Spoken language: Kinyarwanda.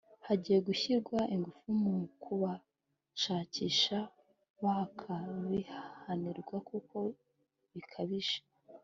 hagiye gushyirwa ingufu mu kubashakisha bakabihanirwa kuko bikabije